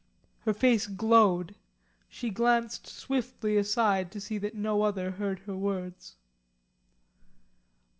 Her face glowed. She glanced swiftly aside to see that no other heard her words.